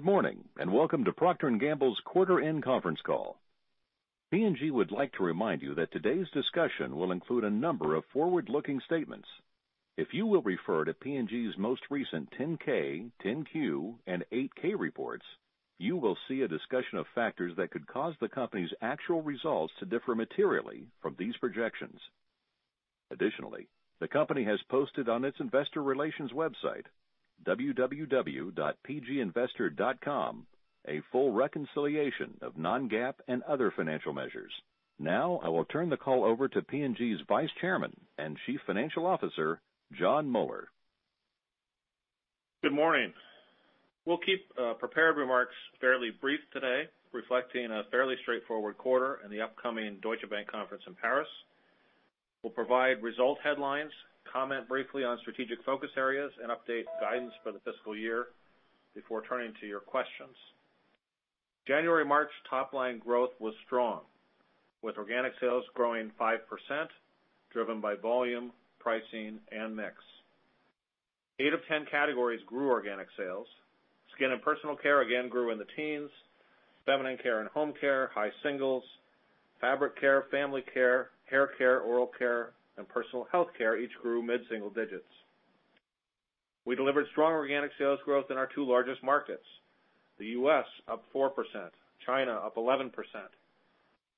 Good morning. Welcome to Procter & Gamble's quarter end conference call. P&G would like to remind you that today's discussion will include a number of forward-looking statements. If you will refer to P&G's most recent 10-K, 10-Q, and 8-K reports, you will see a discussion of factors that could cause the company's actual results to differ materially from these projections. Additionally, the company has posted on its investor relations website, www.pginvestor.com, a full reconciliation of non-GAAP and other financial measures. Now, I will turn the call over to P&G's Vice Chairman and Chief Financial Officer, Jon Moeller. Good morning. We'll keep prepared remarks fairly brief today, reflecting a fairly straightforward quarter in the upcoming Deutsche Bank conference in Paris. We'll provide result headlines, comment briefly on strategic focus areas, update guidance for the fiscal year before turning to your questions. January, March top line growth was strong, with organic sales growing 5%, driven by volume, pricing, and mix. Eight of 10 categories grew organic sales. Skin and personal care again grew in the teens. Feminine care and home care, high singles, fabric care, family care, hair care, oral care, and personal health care each grew mid-single digits. We delivered strong organic sales growth in our two largest markets, the U.S. up 4%, China up 11%.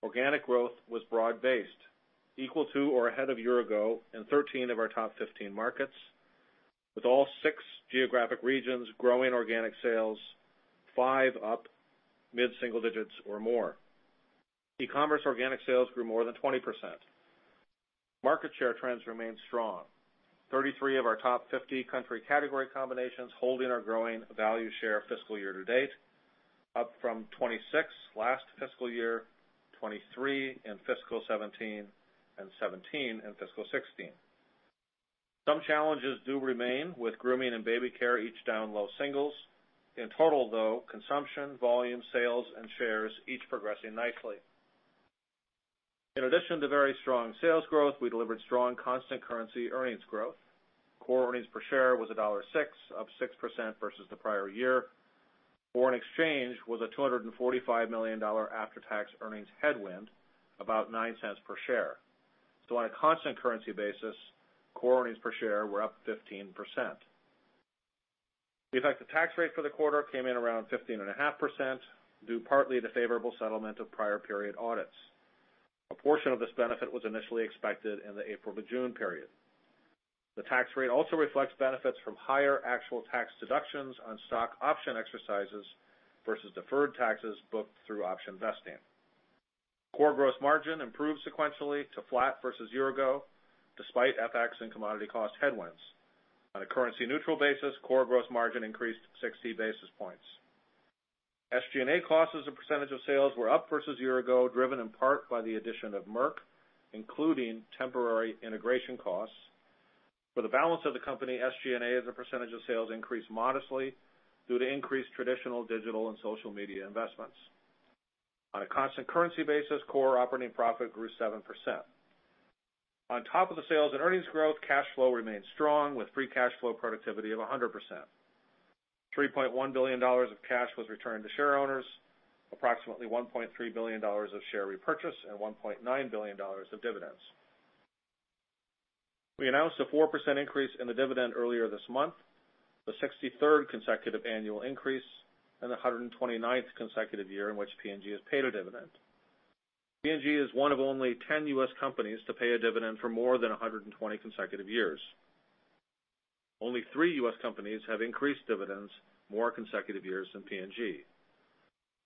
Organic growth was broad-based, equal to or ahead of year-ago in 13 of our top 15 markets, with all six geographic regions growing organic sales, five up mid-single digits or more. E-commerce organic sales grew more than 20%. Market share trends remained strong. 33 of our top 50 country category combinations holding or growing value share fiscal year to date, up from 26 last fiscal year, 23 in FY 2017, and 17 in FY 2016. Some challenges do remain, with grooming and baby care each down low singles. In total, though, consumption, volume, sales, and shares each progressing nicely. In addition to very strong sales growth, we delivered strong constant currency earnings growth. Core earnings per share was $1.06, up 6% versus the prior year. Foreign exchange was a $245 million after-tax earnings headwind, about $0.09 per share. On a constant currency basis, core earnings per share were up 15%. The effective tax rate for the quarter came in around 15.5%, due partly to favorable settlement of prior period audits. A portion of this benefit was initially expected in the April to June period. The tax rate also reflects benefits from higher actual tax deductions on stock option exercises versus deferred taxes booked through option vesting. Core gross margin improved sequentially to flat versus year-ago, despite FX and commodity cost headwinds. On a currency-neutral basis, core gross margin increased 60 basis points. SG&A costs as a percentage of sales were up versus year ago, driven in part by the addition of Merck, including temporary integration costs. For the balance of the company, SG&A as a percentage of sales increased modestly due to increased traditional digital and social media investments. On a constant currency basis, core operating profit grew 7%. On top of the sales and earnings growth, cash flow remained strong, with free cash flow productivity of 100%. $3.1 billion of cash was returned to shareowners, approximately $1.3 billion of share repurchase, and $1.9 billion of dividends. We announced a 4% increase in the dividend earlier this month, the 63rd consecutive annual increase, and the 129th consecutive year in which P&G has paid a dividend. P&G is one of only 10 U.S. companies to pay a dividend for more than 120 consecutive years. Only three U.S. companies have increased dividends more consecutive years than P&G.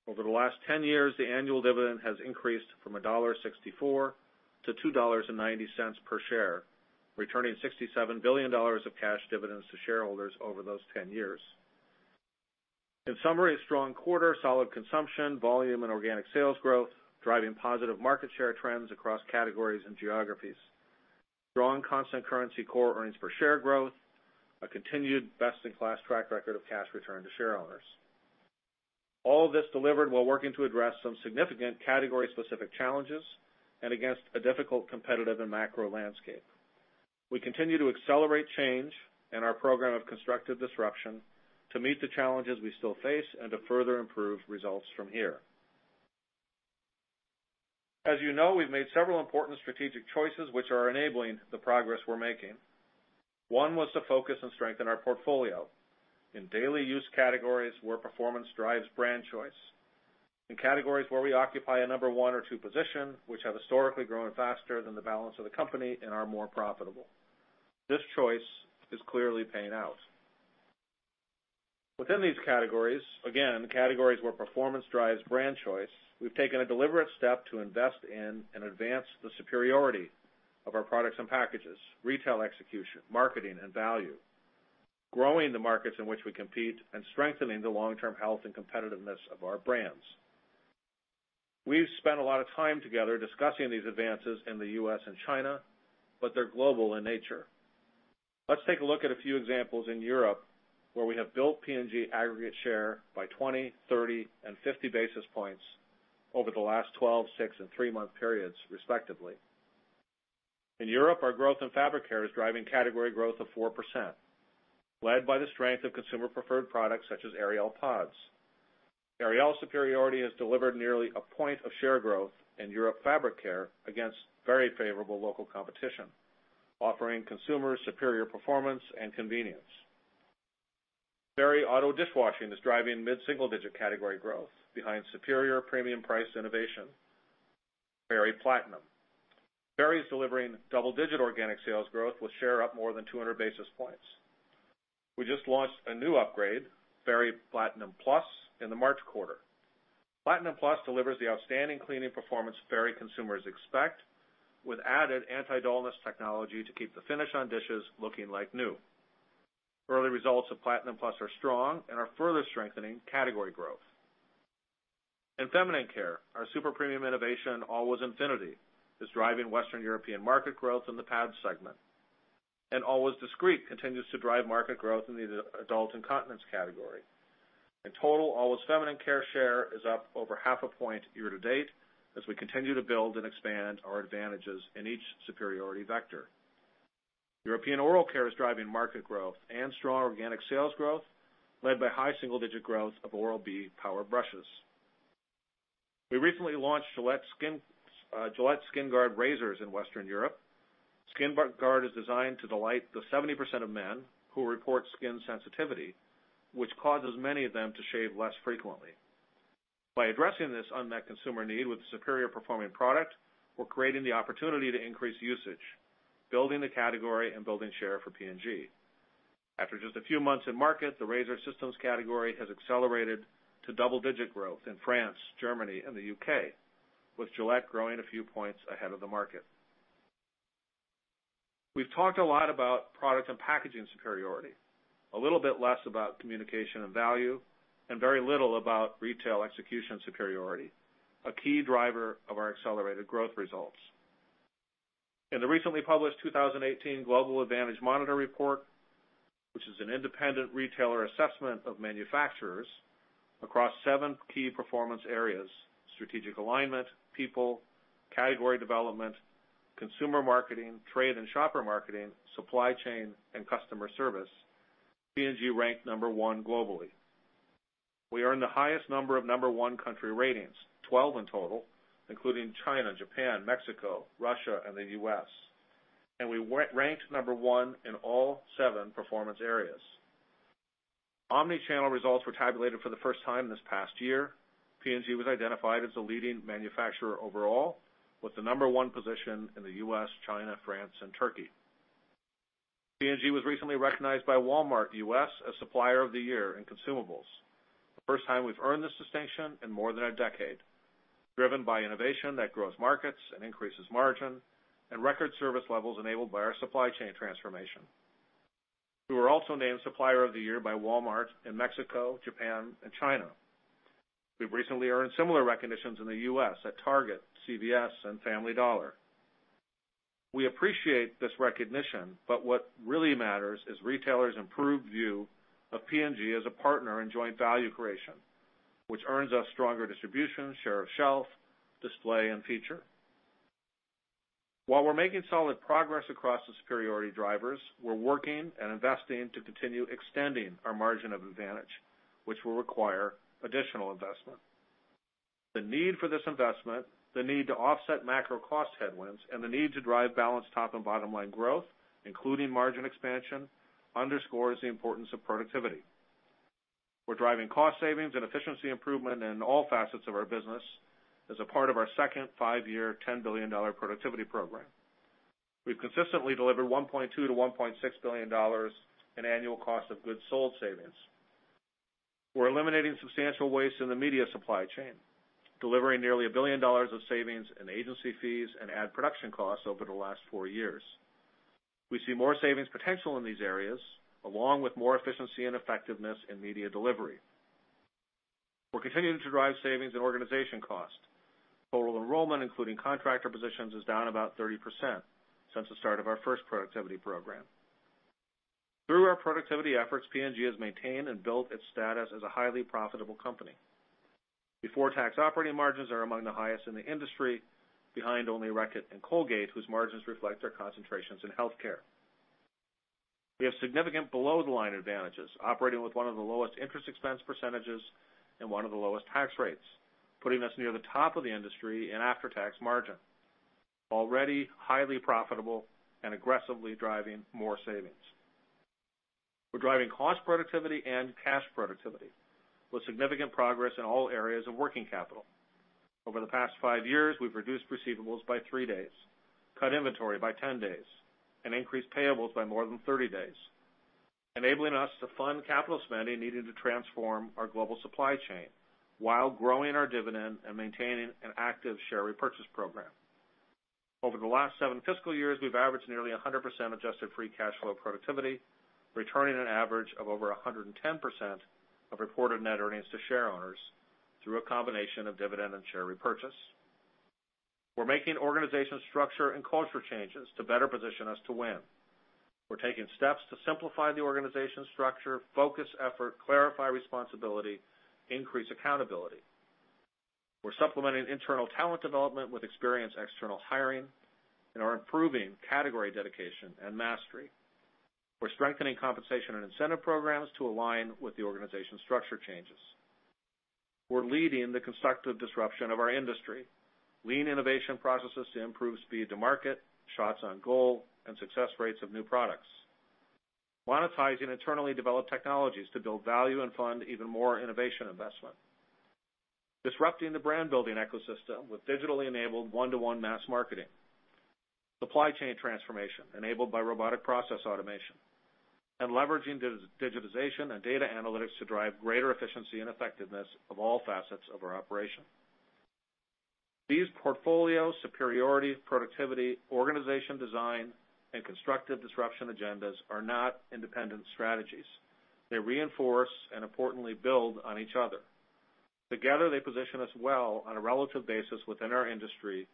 Over the last 10 years, the annual dividend has increased from $1.64 to $2.90 per share, returning $67 billion of cash dividends to shareholders over those 10 years. In summary, a strong quarter, solid consumption, volume, and organic sales growth, driving positive market share trends across categories and geographies. Strong constant currency core earnings per share growth, a continued best-in-class track record of cash return to shareowners. All of this delivered while working to address some significant category-specific challenges and against a difficult competitive and macro landscape. We continue to accelerate change in our program of constructive disruption to meet the challenges we still face and to further improve results from here. As you know, we've made several important strategic choices which are enabling the progress we're making. One was to focus and strengthen our portfolio in daily use categories where performance drives brand choice. In categories where we occupy a number 1 or 2 position, which have historically grown faster than the balance of the company and are more profitable. This choice is clearly paying out. Within these categories, again, categories where performance drives brand choice, we've taken a deliberate step to invest in and advance the superiority of our products and packages, retail execution, marketing, and value, growing the markets in which we compete and strengthening the long-term health and competitiveness of our brands. We've spent a lot of time together discussing these advances in the U.S. and China, but they're global in nature. Let's take a look at a few examples in Europe, where we have built P&G aggregate share by 20, 30, and 50 basis points over the last 12, six, and three-month periods, respectively. In Europe, our growth in fabric care is driving category growth of 4%, led by the strength of consumer preferred products such as Ariel Pods. Ariel's superiority has delivered nearly a point of share growth in Europe fabric care against very favorable local competition, offering consumers superior performance and convenience. Fairy Auto-Dishwashing is driving mid-single digit category growth behind superior premium priced innovation, Fairy Platinum. Fairy is delivering double-digit organic sales growth with share up more than 200 basis points. We just launched a new upgrade, Fairy Platinum Plus, in the March quarter. Platinum Plus delivers the outstanding cleaning performance Fairy consumers expect with added anti-dullness technology to keep the finish on dishes looking like new. Early results of Platinum Plus are strong and are further strengthening category growth. In feminine care, our super premium innovation, Always Infinity, is driving Western European market growth in the pads segment. Always Discreet continues to drive market growth in the adult incontinence category. In total, Always feminine care share is up over half a point year-to-date as we continue to build and expand our advantages in each superiority vector. European oral care is driving market growth and strong organic sales growth, led by high single-digit growth of Oral-B Power Brushes. We recently launched Gillette SkinGuard razors in Western Europe. SkinGuard is designed to delight the 70% of men who report skin sensitivity, which causes many of them to shave less frequently. By addressing this unmet consumer need with a superior performing product, we're creating the opportunity to increase usage, building the category, and building share for P&G. After just a few months in market, the razor systems category has accelerated to double-digit growth in France, Germany, and the U.K., with Gillette growing a few points ahead of the market. We've talked a lot about product and packaging superiority, a little bit less about communication and value, and very little about retail execution superiority, a key driver of our accelerated growth results. In the recently published 2018 Global Advantage Monitor report, which is an independent retailer assessment of manufacturers across seven key performance areas: strategic alignment, people, category development, consumer marketing, trade and shopper marketing, supply chain, and customer service, P&G ranked number 1 globally. We earned the highest number of number 1 country ratings, 12 in total, including China, Japan, Mexico, Russia, and the U.S. We ranked number 1 in all seven performance areas. Omnichannel results were tabulated for the first time this past year. P&G was identified as the leading manufacturer overall, with the number 1 position in the U.S., China, France, and Turkey. P&G was recently recognized by Walmart U.S. as Supplier of the Year in consumables. The first time we've earned this distinction in more than a decade, driven by innovation that grows markets and increases margin, and record service levels enabled by our supply chain transformation. We were also named Supplier of the Year by Walmart in Mexico, Japan, and China. We've recently earned similar recognitions in the U.S. at Target, CVS, and Family Dollar. What really matters is retailers' improved view of P&G as a partner in joint value creation, which earns us stronger distribution, share of shelf, display, and feature. While we're making solid progress across the superiority drivers, we're working and investing to continue extending our margin of advantage, which will require additional investment. The need for this investment, the need to offset macro cost headwinds, and the need to drive balanced top and bottom line growth, including margin expansion, underscores the importance of productivity. We're driving cost savings and efficiency improvement in all facets of our business as a part of our second five-year, $10 billion productivity program. We've consistently delivered $1.2 billion-$1.6 billion in annual cost of goods sold savings. We're eliminating substantial waste in the media supply chain, delivering nearly $1 billion of savings in agency fees and ad production costs over the last four years. We see more savings potential in these areas, along with more efficiency and effectiveness in media delivery. We're continuing to drive savings in organization cost. Total enrollment, including contractor positions, is down about 30% since the start of our first productivity program. Through our productivity efforts, P&G has maintained and built its status as a highly profitable company. Before tax operating margins are among the highest in the industry, behind only Reckitt and Colgate, whose margins reflect their concentrations in healthcare. We have significant below the line advantages, operating with one of the lowest interest expense percentages and one of the lowest tax rates, putting us near the top of the industry in after-tax margin. Already highly profitable and aggressively driving more savings. We're driving cost productivity and cash productivity with significant progress in all areas of working capital. Over the past five years, we've reduced receivables by three days, cut inventory by 10 days, and increased payables by more than 30 days, enabling us to fund capital spending needed to transform our global supply chain while growing our dividend and maintaining an active share repurchase program. Over the last seven fiscal years, we've averaged nearly 100% adjusted free cash flow productivity, returning an average of over 110% of reported net earnings to shareowners through a combination of dividend and share repurchase. We're making organization structure and culture changes to better position us to win. We're taking steps to simplify the organization structure, focus effort, clarify responsibility, increase accountability. We're supplementing internal talent development with experienced external hiring and are improving category dedication and mastery. We're strengthening compensation and incentive programs to align with the organization structure changes. We're leading the constructive disruption of our industry, lean innovation processes to improve speed to market, shots on goal, and success rates of new products. Monetizing internally developed technologies to build value and fund even more innovation investment. Disrupting the brand-building ecosystem with digitally enabled one-to-one mass marketing, supply chain transformation enabled by robotic process automation, and leveraging digitization and data analytics to drive greater efficiency and effectiveness of all facets of our operation. These portfolio superiority, productivity, organization design, and constructive disruption agendas are not independent strategies. They reinforce and importantly build on each other. Together, they position us well on a relative basis within our industry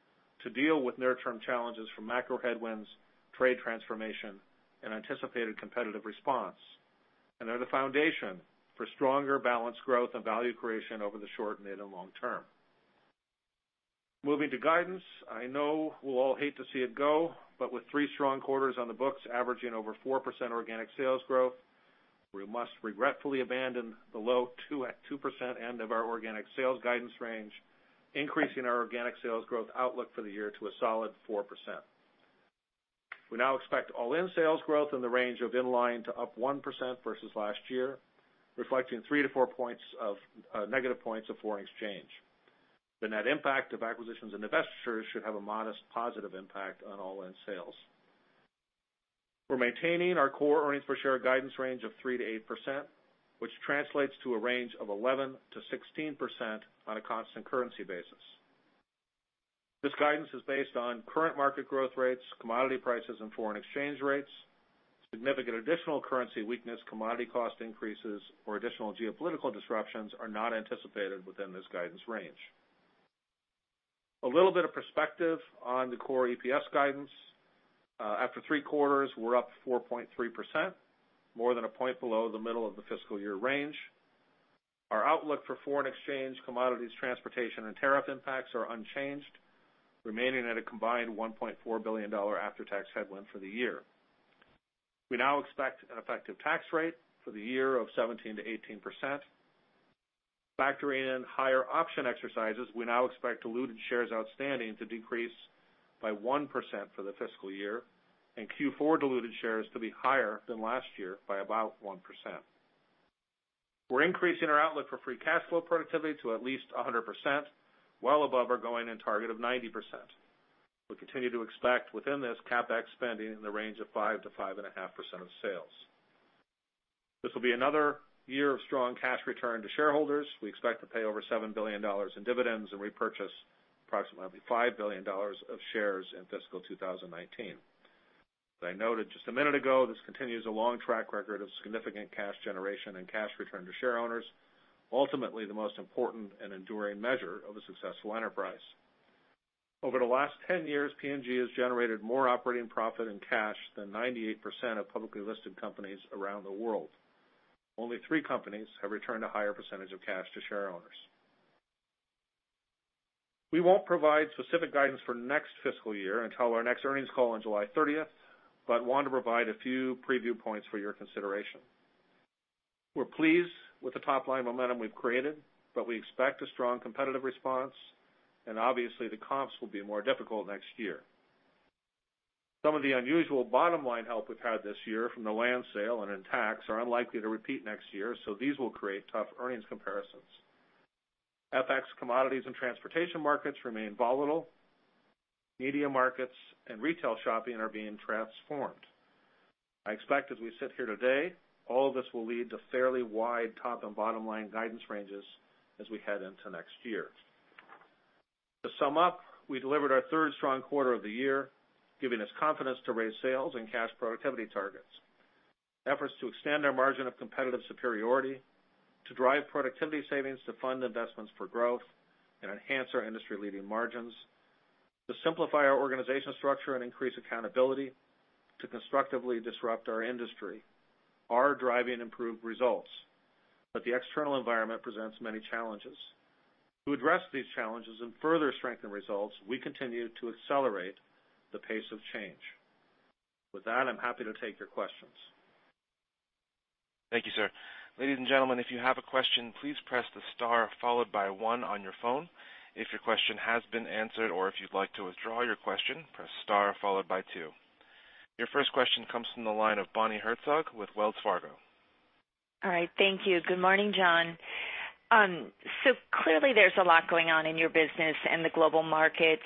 to deal with near-term challenges from macro headwinds, trade transformation, and anticipated competitive response. They're the foundation for stronger balanced growth and value creation over the short, mid, and long term. Moving to guidance. I know we'll all hate to see it go, but with three strong quarters on the books averaging over 4% organic sales growth, we must regretfully abandon the low 2% end of our organic sales guidance range, increasing our organic sales growth outlook for the year to a solid 4%. We now expect all-in sales growth in the range of in line to up 1% versus last year, reflecting three to four negative points of foreign exchange. The net impact of acquisitions and divestitures should have a modest positive impact on all-in sales. We're maintaining our core earnings per share guidance range of 3% to 8%, which translates to a range of 11% to 16% on a constant currency basis. This guidance is based on current market growth rates, commodity prices, and foreign exchange rates. Significant additional currency weakness, commodity cost increases, or additional geopolitical disruptions are not anticipated within this guidance range. A little bit of perspective on the core EPS guidance. After three quarters, we're up 4.3%, more than one point below the middle of the fiscal year range. Our outlook for foreign exchange, commodities, transportation, and tariff impacts are unchanged, remaining at a combined $1.4 billion after-tax headwind for the year. We now expect an effective tax rate for the year of 17%-18%. Factoring in higher option exercises, we now expect diluted shares outstanding to decrease by 1% for the fiscal year and Q4 diluted shares to be higher than last year by about 1%. We're increasing our outlook for free cash flow productivity to at least 100%, well above our going-in target of 90%. We continue to expect within this CapEx spending in the range of 5%-5.5% of sales. This will be another year of strong cash return to shareholders. We expect to pay over $7 billion in dividends and repurchase approximately $5 billion of shares in fiscal 2019. As I noted just a minute ago, this continues a long track record of significant cash generation and cash return to shareowners, ultimately the most important and enduring measure of a successful enterprise. Over the last 10 years, P&G has generated more operating profit and cash than 98% of publicly listed companies around the world. Only three companies have returned a higher percentage of cash to shareowners. We won't provide specific guidance for next fiscal year until our next earnings call on July 30th, but want to provide a few preview points for your consideration. We're pleased with the top-line momentum we've created. We expect a strong competitive response and obviously the comps will be more difficult next year. Some of the unusual bottom-line help we've had this year from the land sale and in tax are unlikely to repeat next year. These will create tough earnings comparisons. FX commodities and transportation markets remain volatile. Media markets and retail shopping are being transformed. I expect as we sit here today, all of this will lead to fairly wide top and bottom-line guidance ranges as we head into next year. To sum up, we delivered our third strong quarter of the year, giving us confidence to raise sales and cash productivity targets. Efforts to extend our margin of competitive superiority to drive productivity savings to fund investments for growth and enhance our industry-leading margins, to simplify our organization structure and increase accountability, to constructively disrupt our industry are driving improved results. The external environment presents many challenges. To address these challenges and further strengthen results, we continue to accelerate the pace of change. With that, I'm happy to take your questions. Thank you, sir. Ladies and gentlemen, if you have a question, please press the star followed by one on your phone. If your question has been answered or if you'd like to withdraw your question, press star followed by two. Your first question comes from the line of Bonnie Herzog with Wells Fargo. All right. Thank you. Good morning, Jon. Clearly there's a lot going on in your business and the global market.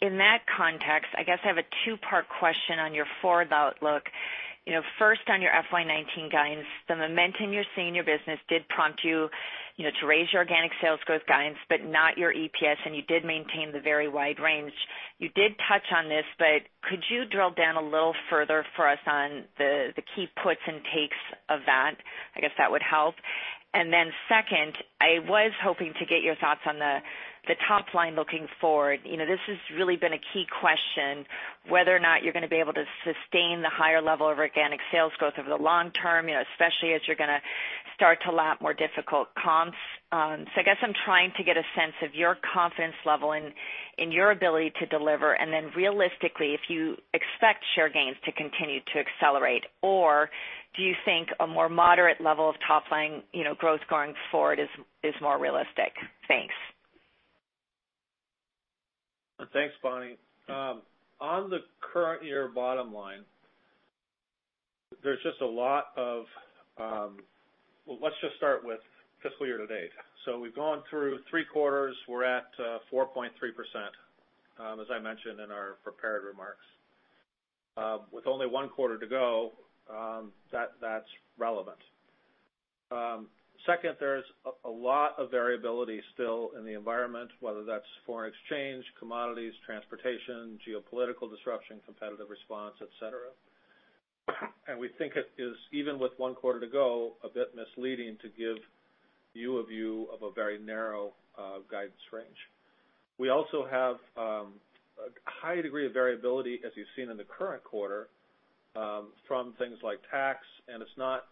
In that context, I guess I have a two-part question on your forward outlook. First on your FY 2019 guidance, the momentum you're seeing in your business did prompt you to raise your organic sales growth guidance, not your EPS, and you did maintain the very wide range. You did touch on this, could you drill down a little further for us on the key puts and takes of that? I guess that would help. Second, I was hoping to get your thoughts on the top line looking forward. This has really been a key question, whether or not you're going to be able to sustain the higher level of organic sales growth over the long term, especially as you're going to start to lap more difficult comps. I guess I'm trying to get a sense of your confidence level in your ability to deliver, and then realistically, if you expect share gains to continue to accelerate, or do you think a more moderate level of top-line growth going forward is more realistic? Thanks. Thanks, Bonnie. On the current year bottom line, let's just start with fiscal year to date. We've gone through three quarters. We're at 4.3%, as I mentioned in our prepared remarks. With only one quarter to go, that's relevant. Second, there's a lot of variability still in the environment, whether that's foreign exchange, commodities, transportation, geopolitical disruption, competitive response, et cetera. We think it is, even with one quarter to go, a bit misleading to give you a view of a very narrow guidance range. We also have a high degree of variability, as you've seen in the current quarter, from things like tax, and it's not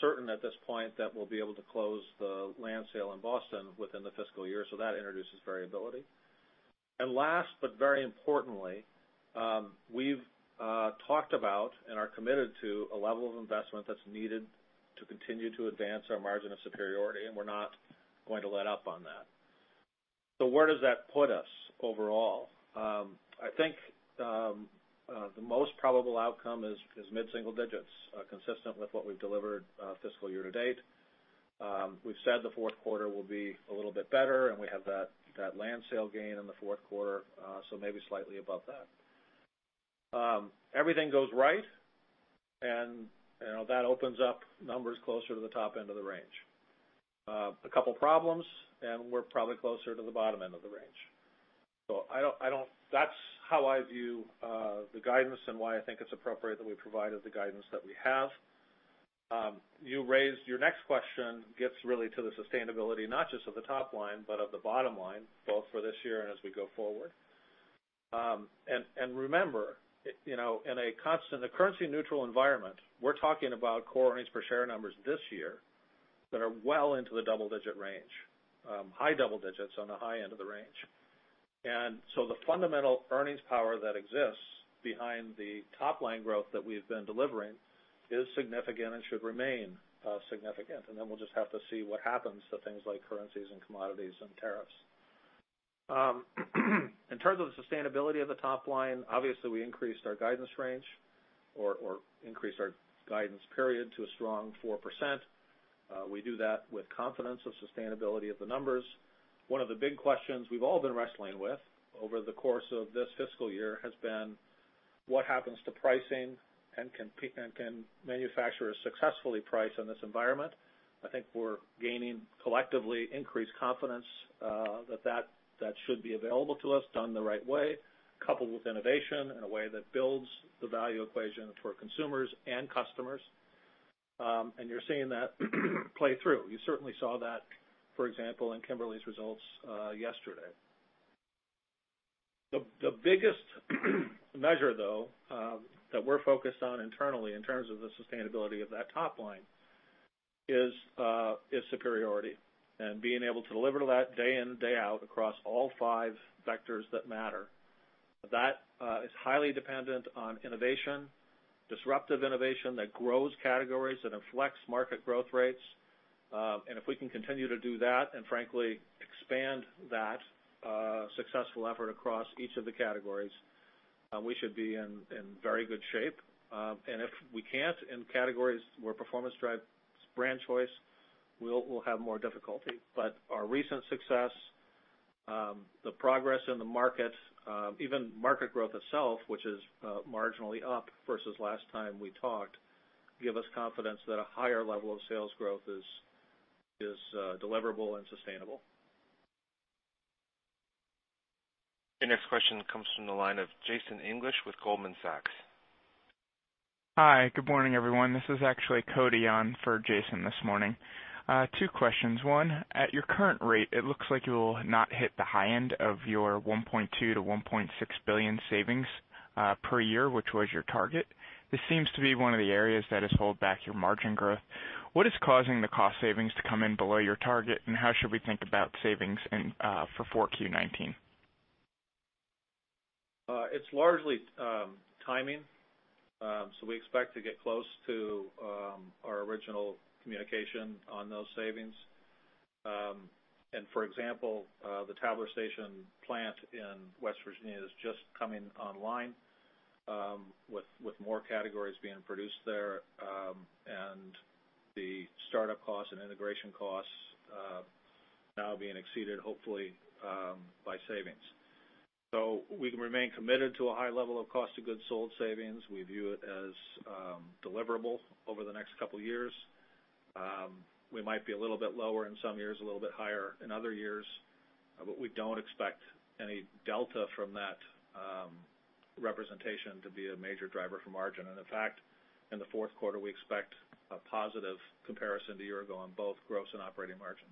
certain at this point that we'll be able to close the land sale in Boston within the fiscal year, so that introduces variability. Last, but very importantly, we've talked about and are committed to a level of investment that's needed to continue to advance our margin of superiority, and we're not going to let up on that. Where does that put us overall? I think the most probable outcome is mid-single digits, consistent with what we've delivered fiscal year to date. We've said the fourth quarter will be a little bit better, and we have that land sale gain in the fourth quarter, so maybe slightly above that. Everything goes right, that opens up numbers closer to the top end of the range. A couple problems, we're probably closer to the bottom end of the range. That's how I view the guidance and why I think it's appropriate that we provided the guidance that we have. Your next question gets really to the sustainability, not just of the top line, but of the bottom line, both for this year and as we go forward. Remember, in a currency-neutral environment, we're talking about core EPS numbers this year that are well into the double-digit range, high double digits on the high end of the range. The fundamental earnings power that exists behind the top-line growth that we've been delivering is significant and should remain significant, we'll just have to see what happens to things like currencies and commodities and tariffs. In terms of the sustainability of the top line, obviously, we increased our guidance range or increased our guidance period to a strong 4%. We do that with confidence of sustainability of the numbers. One of the big questions we've all been wrestling with over the course of this fiscal year has been what happens to pricing and can manufacturers successfully price in this environment? I think we're gaining collectively increased confidence that that should be available to us, done the right way, coupled with innovation in a way that builds the value equation for consumers and customers. You're seeing that play through. You certainly saw that, for example, in Kimberly-Clark's results yesterday. The biggest measure, though, that we're focused on internally in terms of the sustainability of that top line is superiority and being able to deliver to that day in, day out across all five vectors that matter. That is highly dependent on innovation, disruptive innovation that grows categories, that inflects market growth rates. If we can continue to do that and frankly expand that successful effort across each of the categories, we should be in very good shape. If we can't in categories where performance drives brand choice, we'll have more difficulty. Our recent success, the progress in the market, even market growth itself, which is marginally up versus last time we talked, give us confidence that a higher level of sales growth is deliverable and sustainable. Your next question comes from the line of Jason English with Goldman Sachs. Hi, good morning, everyone. This is actually Cody on for Jason this morning. Two questions. One, at your current rate, it looks like you will not hit the high end of your $1.2 billion-$1.6 billion savings per year, which was your target. This seems to be one of the areas that has held back your margin growth. What is causing the cost savings to come in below your target, and how should we think about savings for 4Q 2019? It's largely timing. We expect to get close to our original communication on those savings. For example, the Tabler Station plant in West Virginia is just coming online, with more categories being produced there, and the startup costs and integration costs now being exceeded, hopefully, by savings. We remain committed to a high level of cost of goods sold savings. We view it as deliverable over the next couple of years. We might be a little bit lower in some years, a little bit higher in other years. We don't expect any delta from that representation to be a major driver for margin. In fact, in the fourth quarter, we expect a positive comparison to a year ago on both gross and operating margin.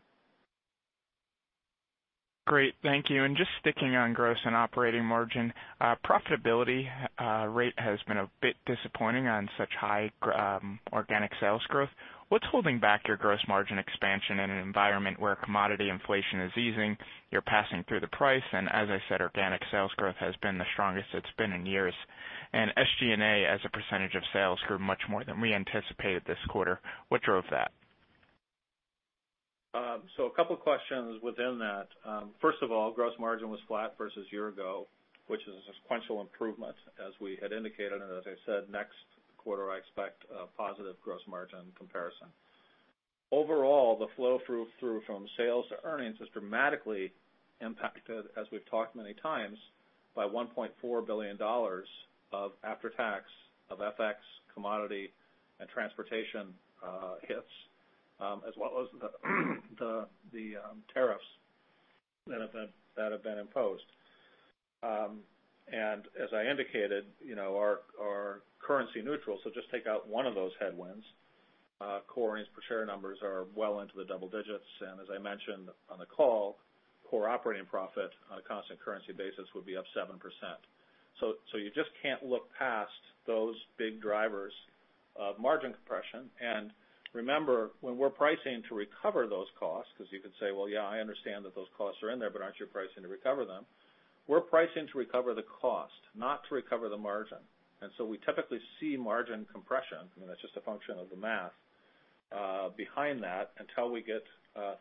Great. Thank you. Just sticking on gross and operating margin. Profitability rate has been a bit disappointing on such high organic sales growth. What's holding back your gross margin expansion in an environment where commodity inflation is easing, you're passing through the price, as I said, organic sales growth has been the strongest it's been in years, SG&A as a % of sales grew much more than we anticipated this quarter. What drove that? A couple of questions within that. First of all, gross margin was flat versus year-ago, which is a sequential improvement as we had indicated. As I said, next quarter, I expect a positive gross margin comparison. Overall, the flow through from sales to earnings is dramatically impacted, as we've talked many times, by $1.4 billion of after-tax of FX, commodity, and transportation hits, as well as the tariffs that have been imposed. As I indicated, our currency neutral, just take out one of those headwinds. Core earnings per share numbers are well into the double digits, and as I mentioned on the call, core operating profit on a constant currency basis would be up 7%. You just can't look past those big drivers of margin compression. Remember, when we're pricing to recover those costs, because you could say, "Well, yeah, I understand that those costs are in there, but aren't you pricing to recover them?" We're pricing to recover the cost, not to recover the margin. We typically see margin compression, and that's just a function of the math behind that until we get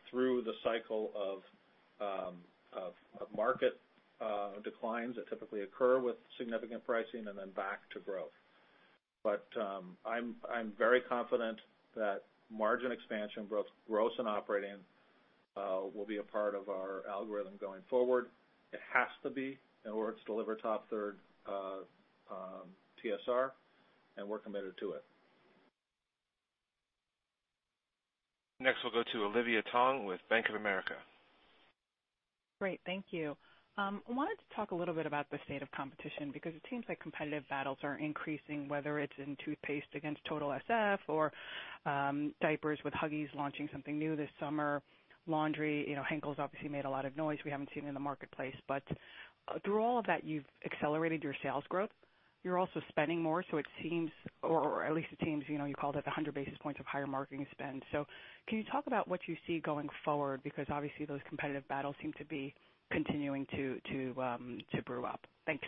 through the cycle of market declines that typically occur with significant pricing and then back to growth. I'm very confident that margin expansion, both gross and operating, will be a part of our algorithm going forward. It has to be in order to deliver top third TSR, and we're committed to it. Next, we'll go to Olivia Tong with Bank of America. Great. Thank you. I wanted to talk a little bit about the state of competition, because it seems like competitive battles are increasing, whether it's in toothpaste against Total SF or diapers with Huggies launching something new this summer. Laundry, Henkel obviously made a lot of noise we haven't seen in the marketplace. Through all of that, you've accelerated your sales growth. You're also spending more, so it seems, or at least it seems, you called it 100 basis points of higher marketing spend. Can you talk about what you see going forward? Obviously those competitive battles seem to be continuing to brew up. Thanks.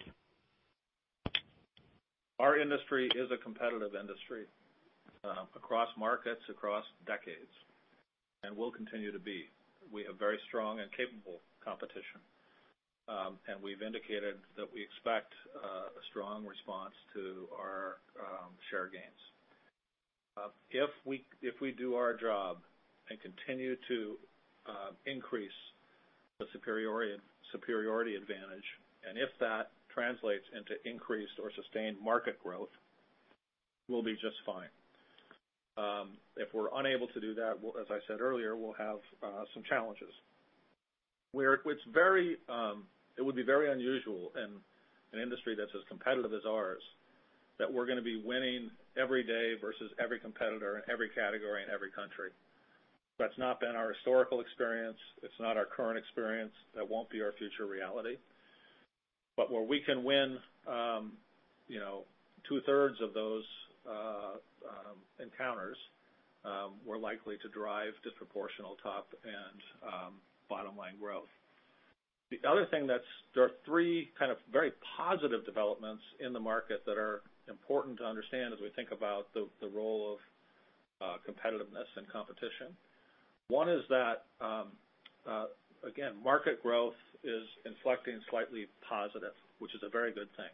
Our industry is a competitive industry, across markets, across decades, and will continue to be. We have very strong and capable competition. We've indicated that we expect a strong response to our share gains. If we do our job and continue to increase the superiority advantage, and if that translates into increased or sustained market growth, we'll be just fine. If we're unable to do that, as I said earlier, we'll have some challenges. It would be very unusual in an industry that's as competitive as ours, that we're going to be winning every day versus every competitor in every category in every country. That's not been our historical experience. It's not our current experience. That won't be our future reality. Where we can win two-thirds of those encounters, we're likely to drive disproportional top and bottom-line growth. The other thing, there are three very positive developments in the market that are important to understand as we think about the role of competitiveness and competition. One is that, again, market growth is inflecting slightly positive, which is a very good thing.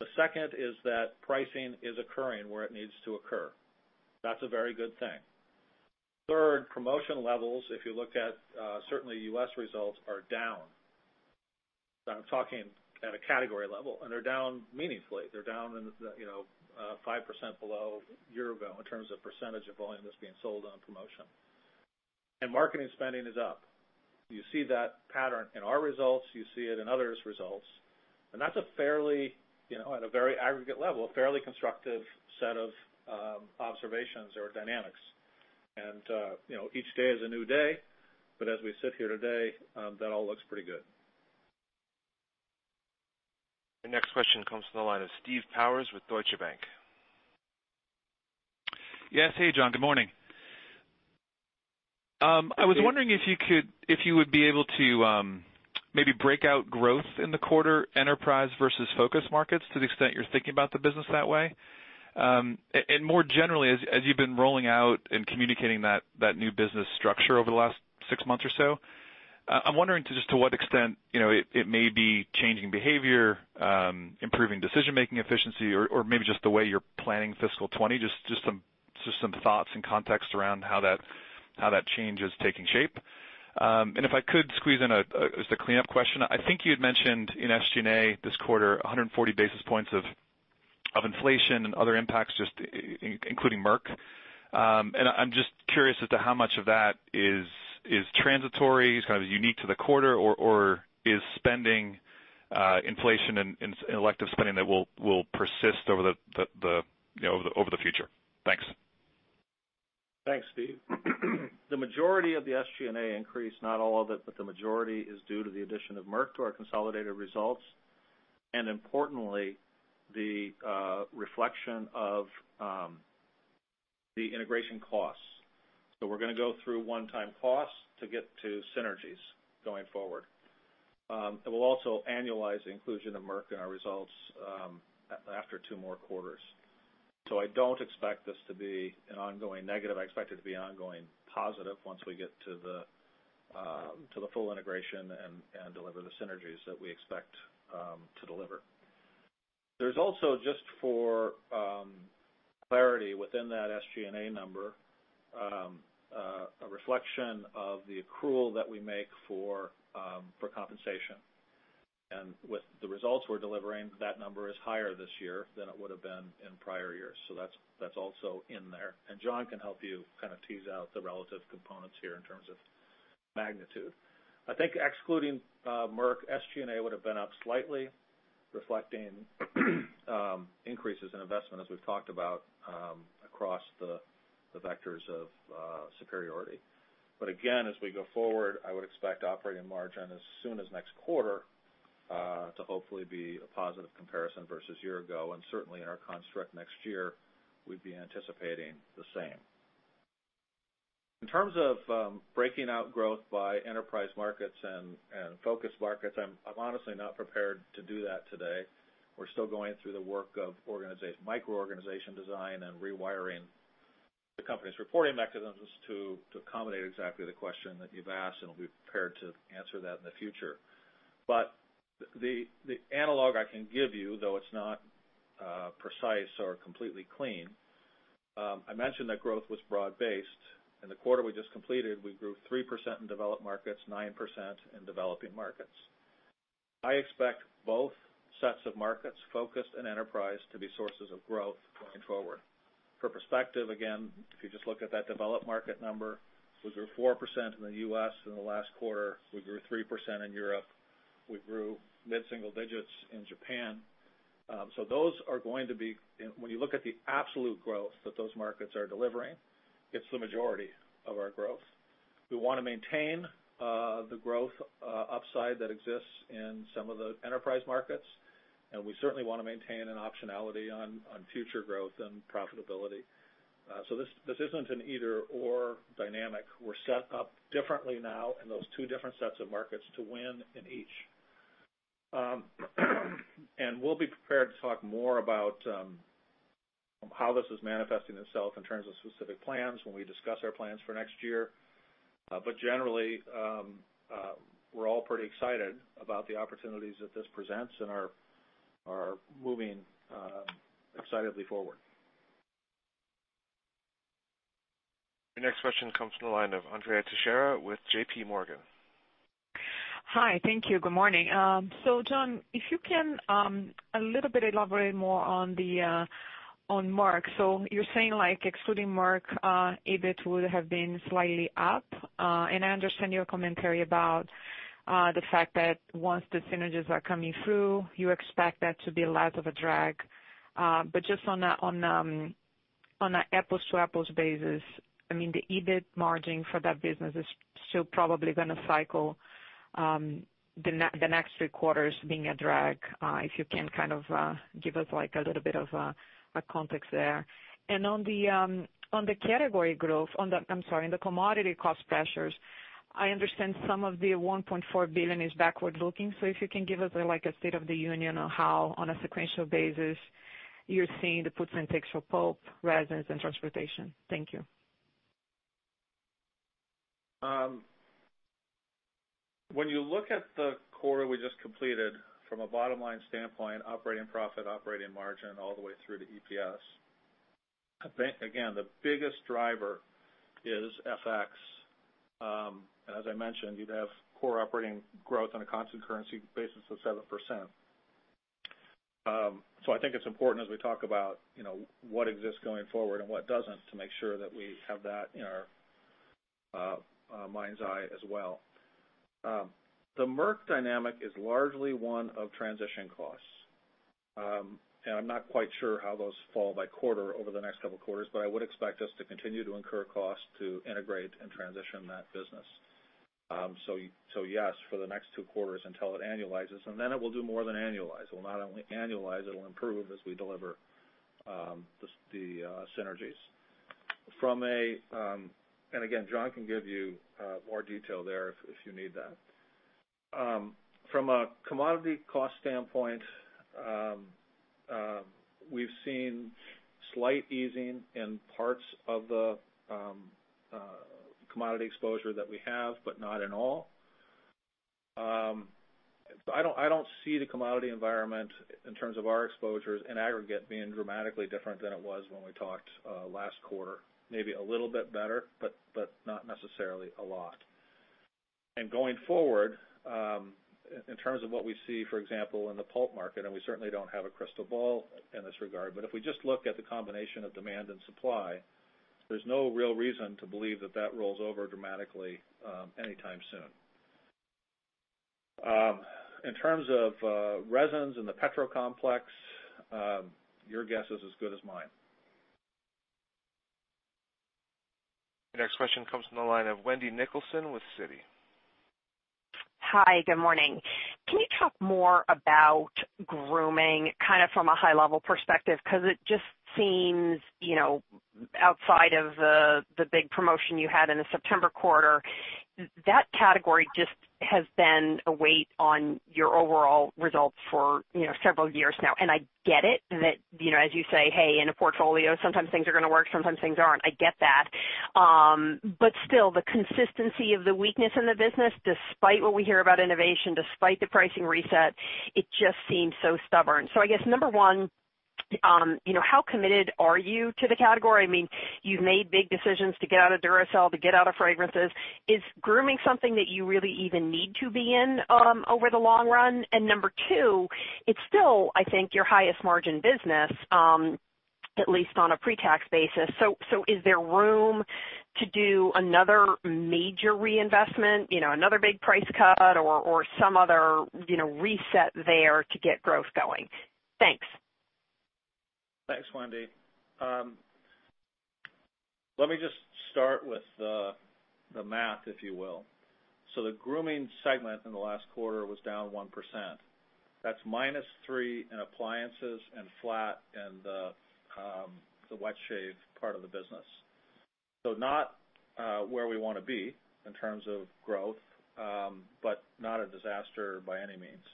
The second is that pricing is occurring where it needs to occur. That's a very good thing. Third, promotion levels, if you look at certainly U.S. results, are down. I'm talking at a category level, they're down meaningfully. They're down 5% below year ago in terms of percentage of volume that's being sold on promotion. Marketing spending is up. You see that pattern in our results, you see it in others' results. That's, at a very aggregate level, a fairly constructive set of observations or dynamics. Each day is a new day, but as we sit here today, that all looks pretty good. The next question comes from the line of Steve Powers with Deutsche Bank. Yes. Hey, Jon. Good morning. I was wondering if you would be able to maybe break out growth in the quarter, enterprise versus focus markets to the extent you're thinking about the business that way. More generally, as you've been rolling out and communicating that new business structure over the last six months or so, I'm wondering just to what extent it may be changing behavior, improving decision-making efficiency, or maybe just the way you're planning fiscal 2020, just some thoughts and context around how that change is taking shape. If I could squeeze in, as the cleanup question, I think you had mentioned in SG&A this quarter, 140 basis points of inflation and other impacts, just including Merck. I'm just curious as to how much of that is transitory, is unique to the quarter, or is spending inflation and elective spending that will persist over the future? Thanks, Steve. The majority of the SG&A increase, not all of it, but the majority, is due to the addition of Merck to our consolidated results, importantly, the reflection of the integration costs. We're going to go through one-time costs to get to synergies going forward. We'll also annualize the inclusion of Merck in our results after two more quarters. I don't expect this to be an ongoing negative. I expect it to be an ongoing positive once we get to the full integration and deliver the synergies that we expect to deliver. There's also, just for clarity within that SG&A number, a reflection of the accrual that we make for compensation. With the results we're delivering, that number is higher this year than it would have been in prior years. That's also in there. Jon can help you tease out the relative components here in terms of magnitude. I think excluding Merck, SG&A would have been up slightly, reflecting increases in investment as we've talked about across the vectors of superiority. Again, as we go forward, I would expect operating margin as soon as next quarter to hopefully be a positive comparison versus year-ago. Certainly in our construct next year, we'd be anticipating the same. In terms of breaking out growth by enterprise markets and focus markets, I'm honestly not prepared to do that today. We're still going through the work of micro organization design and rewiring the company's reporting mechanisms to accommodate exactly the question that you've asked, we'll be prepared to answer that in the future. The analog I can give you, though it's not precise or completely clean, I mentioned that growth was broad-based. In the quarter we just completed, we grew 3% in developed markets, 9% in developing markets. I expect both sets of markets, focused and enterprise, to be sources of growth going forward. For perspective, again, if you just look at that developed market number, we grew 4% in the U.S. in the last quarter, we grew 3% in Europe, we grew mid-single digits in Japan. When you look at the absolute growth that those markets are delivering, it's the majority of our growth. We want to maintain the growth upside that exists in some of the enterprise markets, we certainly want to maintain an optionality on future growth and profitability. This isn't an either/or dynamic. We're set up differently now in those two different sets of markets to win in each. We'll be prepared to talk more about how this is manifesting itself in terms of specific plans when we discuss our plans for next year. Generally, we're all pretty excited about the opportunities that this presents and are moving excitedly forward. Your next question comes from the line of Andrea Teixeira with JPMorgan. Hi. Thank you. Good morning. Jon, if you can a little bit elaborate more on Merck. You're saying excluding Merck, EBIT would have been slightly up. I understand your commentary about the fact that once the synergies are coming through, you expect that to be less of a drag. Just on an apples-to-apples basis, the EBIT margin for that business is still probably going to cycle the next three quarters being a drag. If you can give us a little bit of a context there. On the category growth, I'm sorry, on the commodity cost pressures, I understand some of the $1.4 billion is backward-looking. If you can give us a state of the union on how, on a sequential basis, you're seeing the puts and takes for pulp, resins, and transportation. Thank you. When you look at the quarter we just completed, from a bottom-line standpoint, operating profit, operating margin, all the way through to EPS, again, the biggest driver is FX. As I mentioned, you'd have core operating growth on a constant currency basis of 7%. I think it's important as we talk about what exists going forward and what doesn't to make sure that we have that in our mind's eye as well. The Merck dynamic is largely one of transition costs. I'm not quite sure how those fall by quarter over the next couple of quarters, but I would expect us to continue to incur costs to integrate and transition that business. Yes, for the next two quarters until it annualizes, and then it will do more than annualize. It will not only annualize, it'll improve as we deliver the synergies. Again, Jon can give you more detail there if you need that. From a commodity cost standpoint, we've seen slight easing in parts of the commodity exposure that we have, but not in all. I don't see the commodity environment in terms of our exposures in aggregate being dramatically different than it was when we talked last quarter. Maybe a little bit better, but not necessarily a lot. Going forward, in terms of what we see, for example, in the pulp market, and we certainly don't have a crystal ball in this regard, but if we just look at the combination of demand and supply, there's no real reason to believe that that rolls over dramatically anytime soon. In terms of resins and the petrol complex, your guess is as good as mine. The next question comes from the line of Wendy Nicholson with Citi. Hi, good morning. Can you talk more about grooming from a high-level perspective? It just seems, outside of the big promotion you had in the September quarter, that category just has been a weight on your overall results for several years now. I get it that, as you say, hey, in a portfolio, sometimes things are going to work, sometimes things aren't. I get that. Still, the consistency of the weakness in the business, despite what we hear about innovation, despite the pricing reset, it just seems so stubborn. I guess, number 1, how committed are you to the category? You've made big decisions to get out of Duracell, to get out of fragrances. Is grooming something that you really even need to be in over the long run? Number 2, it's still, I think, your highest margin business, at least on a pre-tax basis. Is there room to do another major reinvestment, another big price cut or some other reset there to get growth going? Thanks. Thanks, Wendy. Let me just start with the math, if you will. The grooming segment in the last quarter was down 1%. That's -3% in appliances and flat in the wet shave part of the business. Not where we want to be in terms of growth, but not a disaster by any means.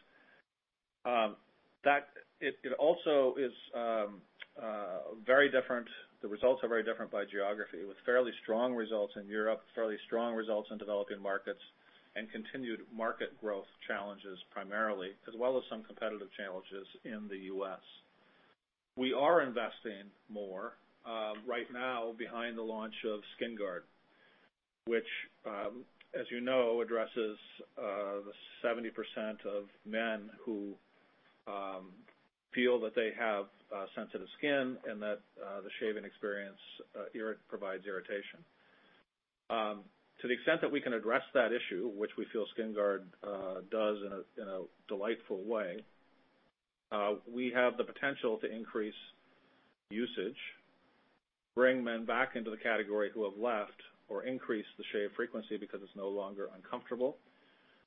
The results are very different by geography, with fairly strong results in Europe, fairly strong results in developing markets, and continued market growth challenges primarily, as well as some competitive challenges in the U.S. We are investing more right now behind the launch of SkinGuard, which, as you know, addresses the 70% of men who feel that they have sensitive skin and that the shaving experience provides irritation. To the extent that we can address that issue, which we feel SkinGuard does in a delightful way, we have the potential to increase usage, bring men back into the category who have left, or increase the shave frequency because it's no longer uncomfortable.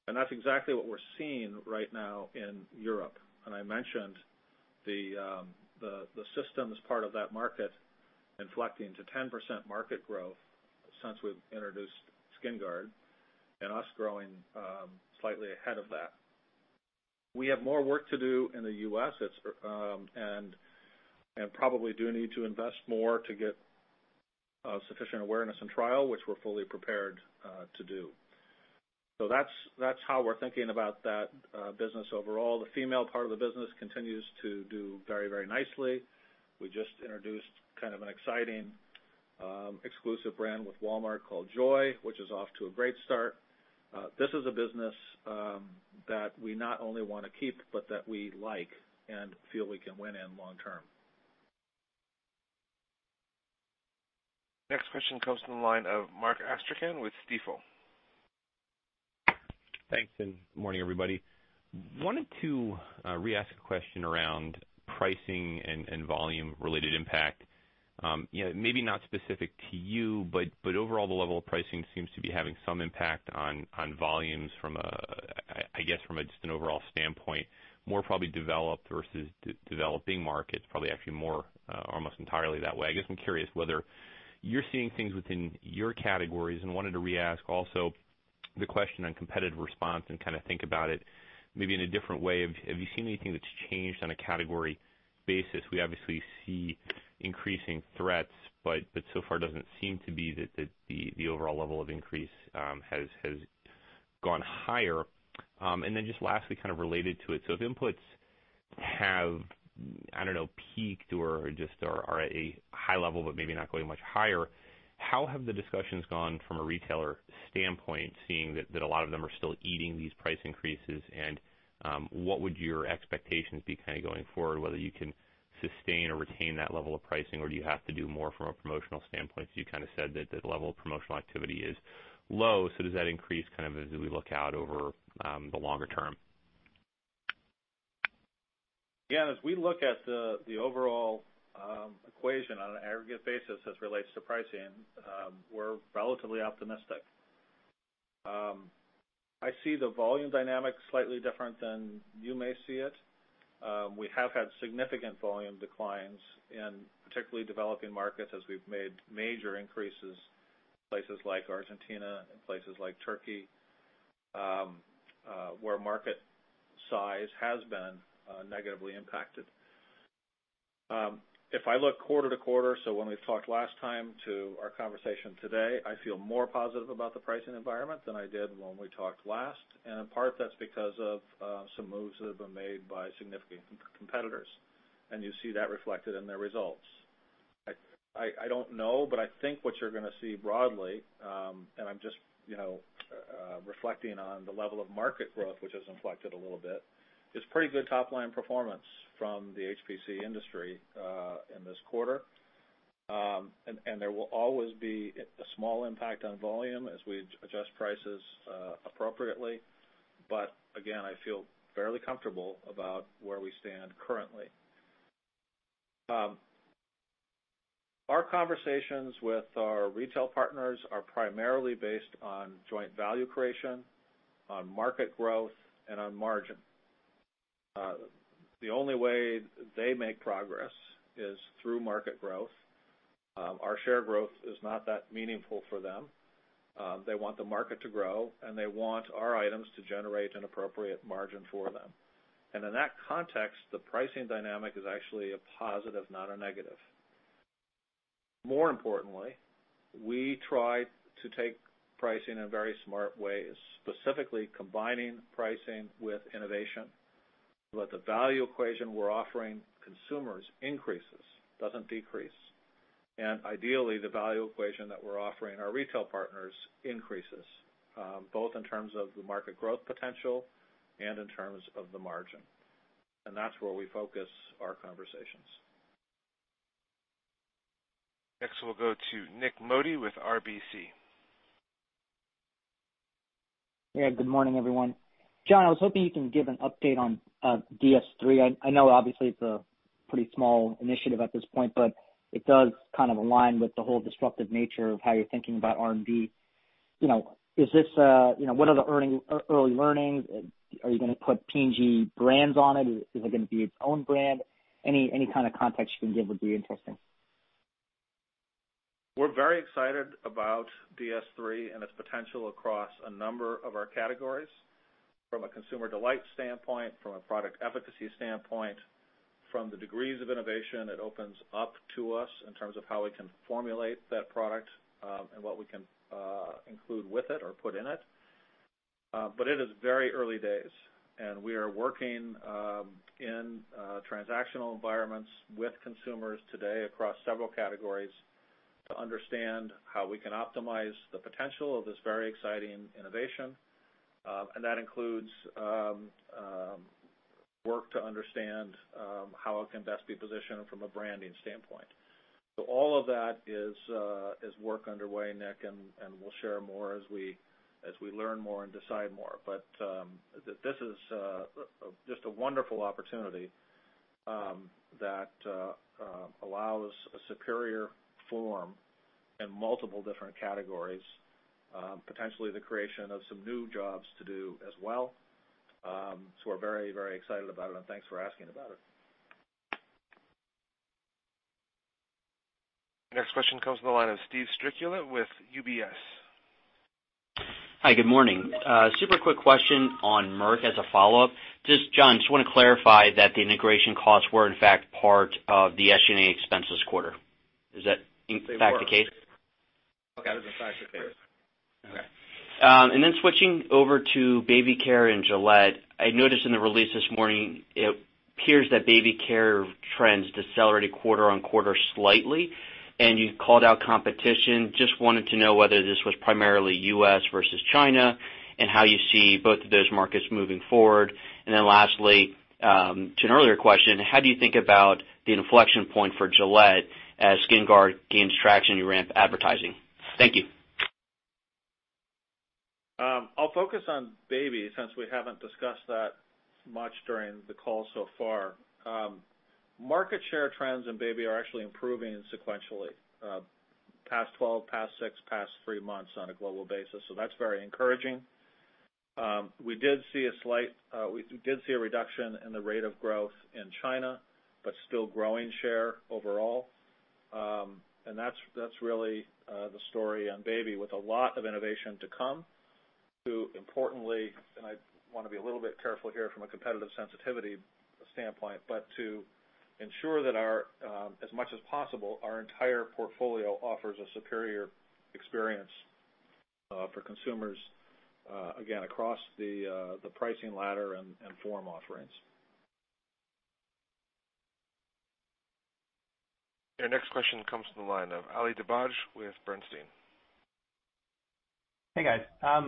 That's exactly what we're seeing right now in Europe. I mentioned the systems part of that market inflecting to 10% market growth since we've introduced SkinGuard, and us growing slightly ahead of that. We have more work to do in the U.S., and probably do need to invest more to get sufficient awareness and trial, which we're fully prepared to do. That's how we're thinking about that business overall. The female part of the business continues to do very nicely. We just introduced an exciting exclusive brand with Walmart called Joys, which is off to a great start. This is a business that we not only want to keep, but that we like and feel we can win in long term. Next question comes from the line of Mark Astrachan with Stifel. Thanks, morning everybody. Wanted to re-ask a question around pricing and volume-related impact. Maybe not specific to you, but overall the level of pricing seems to be having some impact on volumes from, I guess, from just an overall standpoint, more probably developed versus developing markets. Probably actually more almost entirely that way. I guess I'm curious whether you're seeing things within your categories and wanted to re-ask, also, the question on competitive response and think about it maybe in a different way. Have you seen anything that's changed on a category basis? We obviously see increasing threats, but so far it doesn't seem to be that the overall level of increase has gone higher. Lastly, kind of related to it, if inputs have, I don't know, peaked or just are at a high level, but maybe not going much higher, how have the discussions gone from a retailer standpoint, seeing that a lot of them are still eating these price increases? What would your expectations be going forward, whether you can sustain or retain that level of pricing, or do you have to do more from a promotional standpoint? You said that the level of promotional activity is low, does that increase as we look out over the longer term? Again, as we look at the overall equation on an aggregate basis as relates to pricing, we're relatively optimistic. I see the volume dynamic slightly different than you may see it. We have had significant volume declines in particularly developing markets as we've made major increases, places like Argentina and places like Turkey, where market size has been negatively impacted. If I look quarter to quarter, when we talked last time to our conversation today, I feel more positive about the pricing environment than I did when we talked last. In part, that's because of some moves that have been made by significant competitors, and you see that reflected in their results. I don't know, I think what you're going to see broadly, and I'm just reflecting on the level of market growth, which has inflected a little bit, is pretty good top-line performance from the HPC industry in this quarter. There will always be a small impact on volume as we adjust prices appropriately. Again, I feel fairly comfortable about where we stand currently. Our conversations with our retail partners are primarily based on joint value creation, on market growth, and on margin. The only way they make progress is through market growth. Our share growth is not that meaningful for them. They want the market to grow, and they want our items to generate an appropriate margin for them. In that context, the pricing dynamic is actually a positive, not a negative. More importantly, we try to take pricing in very smart ways, specifically combining pricing with innovation so that the value equation we're offering consumers increases, doesn't decrease. Ideally, the value equation that we're offering our retail partners increases, both in terms of the market growth potential and in terms of the margin. That's where we focus our conversations. Next, we'll go to Nik Modi with RBC. Good morning, everyone. Jon, I was hoping you can give an update on DS3. I know obviously it's a pretty small initiative at this point, but it does kind of align with the whole disruptive nature of how you're thinking about R&D. What are the early learnings? Are you going to put P&G brands on it? Is it going to be its own brand? Any kind of context you can give would be interesting. We're very excited about DS3 and its potential across a number of our categories from a consumer delight standpoint, from a product efficacy standpoint, from the degrees of innovation it opens up to us in terms of how we can formulate that product, and what we can include with it or put in it. It is very early days, and we are working in transactional environments with consumers today across several categories to understand how we can optimize the potential of this very exciting innovation. That includes work to understand how it can best be positioned from a branding standpoint. All of that is work underway, Nik, and we'll share more as we learn more and decide more. This is just a wonderful opportunity that allows a superior form in multiple different categories, potentially the creation of some new jobs to do as well. We're very excited about it, and thanks for asking about it. Next question comes from the line of Steve Strycula with UBS. Hi, good morning. Super quick question on Merck as a follow-up. Jon, just want to clarify that the integration costs were in fact part of the SG&A expense this quarter. Is that in fact the case? They were. Okay. It was precisely there. Okay. Switching over to baby care and Gillette, I noticed in the release this morning it appears that baby care trends decelerated quarter-on-quarter slightly, and you called out competition. Just wanted to know whether this was primarily U.S. versus China, and how you see both of those markets moving forward. Lastly, to an earlier question, how do you think about the inflection point for Gillette as SkinGuard gains traction, you ramp advertising? Thank you. I'll focus on baby, since we haven't discussed that much during the call so far. Market share trends in baby are actually improving sequentially, past 12, past six, past three months on a global basis. That's very encouraging. We did see a reduction in the rate of growth in China, still growing share overall. That's really the story on baby, with a lot of innovation to come to importantly. I want to be a little bit careful here from a competitive sensitivity standpoint, to ensure that as much as possible, our entire portfolio offers a superior experience for consumers, again, across the pricing ladder and form offerings. Your next question comes from the line of Ali Dibadj with Bernstein. Hey, guys.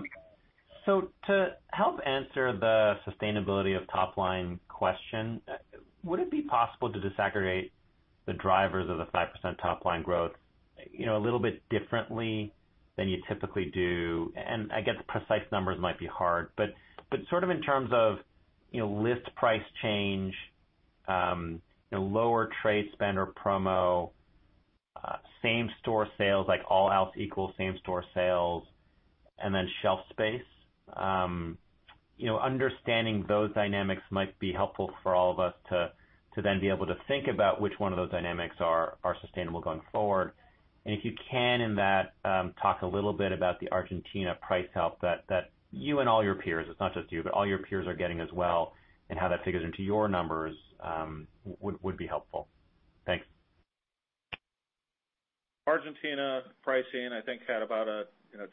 To help answer the sustainability of top-line question, would it be possible to disaggregate the drivers of the 5% top-line growth a little bit differently than you typically do? I guess precise numbers might be hard, but sort of in terms of list price change, lower trade spend or promo, same-store sales, like all else equal same-store sales, and then shelf space. Understanding those dynamics might be helpful for all of us to then be able to think about which one of those dynamics are sustainable going forward. If you can in that, talk a little bit about the Argentina price help that you and all your peers, it's not just you, but all your peers are getting as well, and how that figures into your numbers would be helpful. Thanks. Argentina pricing, I think, had about a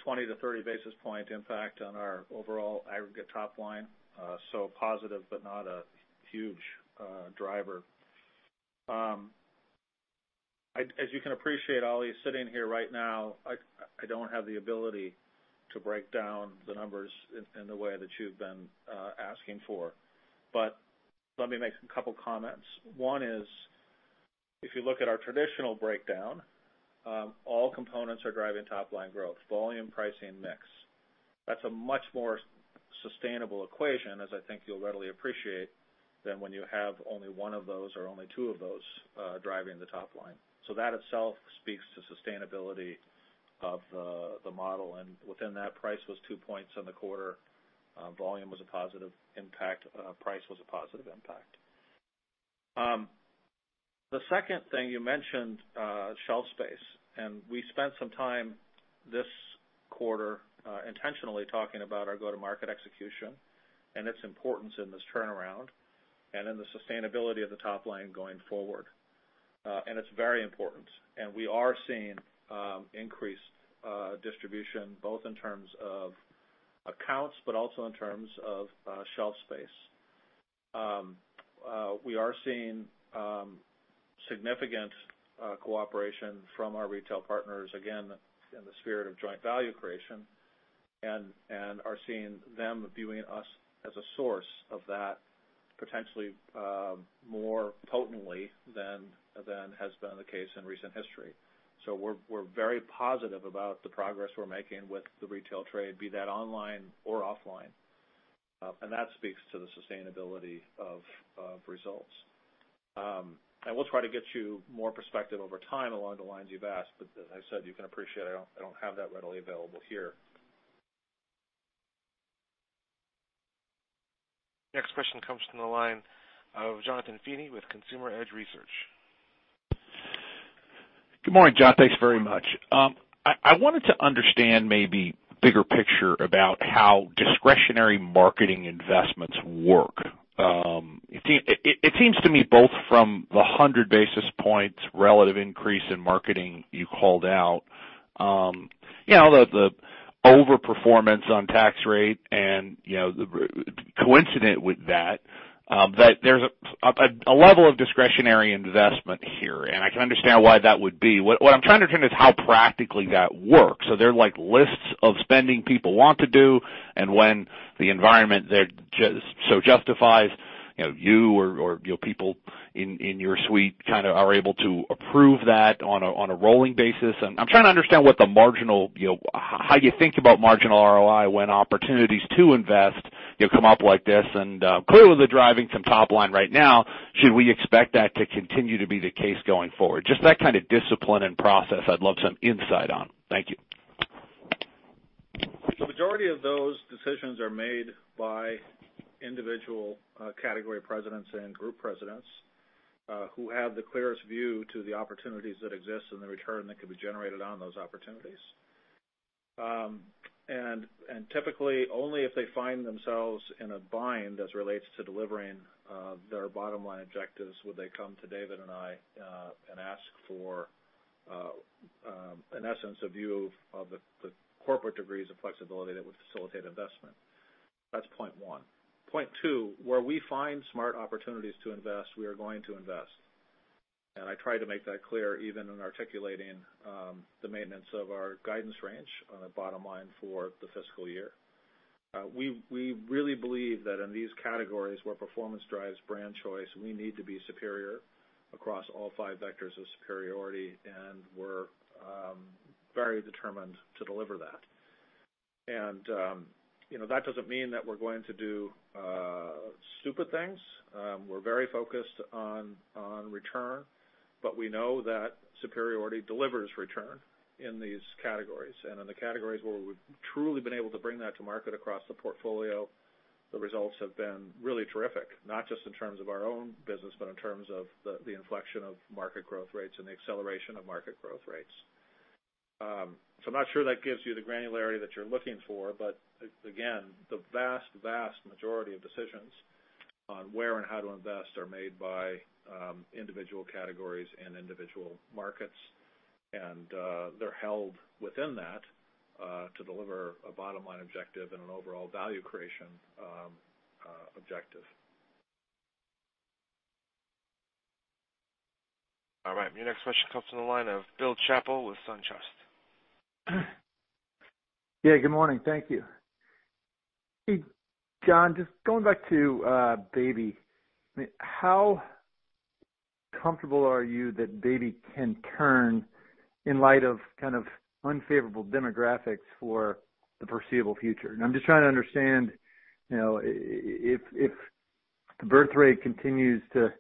20 to 30 basis point impact on our overall aggregate top line. Positive, but not a huge driver. As you can appreciate, Ali, sitting here right now, I don't have the ability to break down the numbers in the way that you've been asking for. Let me make a couple comments. One is, if you look at our traditional breakdown, all components are driving top-line growth, volume, pricing, and mix. That's a much more sustainable equation, as I think you'll readily appreciate, than when you have only one of those or only two of those driving the top line. That itself speaks to sustainability of the model. Within that, price was two points in the quarter. Volume was a positive impact. Price was a positive impact. The second thing, you mentioned shelf space. We spent some time this quarter intentionally talking about our go-to-market execution and its importance in this turnaround, and then the sustainability of the top line going forward. It's very important. We are seeing increased distribution both in terms of accounts, but also in terms of shelf space. We are seeing significant cooperation from our retail partners, again, in the spirit of joint value creation, and are seeing them viewing us as a source of that, potentially more potently than has been the case in recent history. We're very positive about the progress we're making with the retail trade, be that online or offline. That speaks to the sustainability of results. I will try to get you more perspective over time along the lines you've asked, but as I said, you can appreciate, I don't have that readily available here. Next question comes from the line of Jonathan Feeney with Consumer Edge Research. Good morning, Jon. Thanks very much. I wanted to understand maybe bigger picture about how discretionary marketing investments work. It seems to me both from the 100 basis points relative increase in marketing you called out, the over-performance on tax rate and the coincident with that there's a level of discretionary investment here, and I can understand why that would be. What I'm trying to understand is how practically that works. There are lists of spending people want to do, and when the environment so justifies, you or your people in your suite are able to approve that on a rolling basis. I'm trying to understand how you think about marginal ROI when opportunities to invest come up like this. Clearly they're driving some top line right now. Should we expect that to continue to be the case going forward? Just that kind of discipline and process I'd love some insight on. Thank you. The majority of those decisions are made by individual category presidents and group presidents who have the clearest view to the opportunities that exist and the return that could be generated on those opportunities. Typically, only if they find themselves in a bind as relates to delivering their bottom line objectives would they come to David and I and ask for, in essence, a view of the corporate degrees of flexibility that would facilitate investment. That's point one. Point two, where we find smart opportunities to invest, we are going to invest. I try to make that clear even in articulating the maintenance of our guidance range on the bottom line for the fiscal year. We really believe that in these categories where performance drives brand choice, we need to be superior across all five vectors of superiority, and we're very determined to deliver that. That doesn't mean that we're going to do stupid things. We're very focused on return, but we know that superiority delivers return in these categories. In the categories where we've truly been able to bring that to market across the portfolio, the results have been really terrific, not just in terms of our own business, but in terms of the inflection of market growth rates and the acceleration of market growth rates. I'm not sure that gives you the granularity that you're looking for, but again, the vast majority of decisions on where and how to invest are made by individual categories and individual markets, and they're held within that to deliver a bottom-line objective and an overall value creation objective. All right. Your next question comes from the line of Bill Chappell with SunTrust. Yeah, good morning. Thank you. Hey, Jon, just going back to Baby. How comfortable are you that Baby can turn in light of unfavorable demographics for the foreseeable future? I'm just trying to understand, if the birth rate continues to